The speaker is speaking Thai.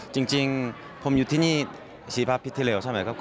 จริงผมอยู่ที่นี่๔ประวัติภาพพิธีแล้วใช่ไหมครับ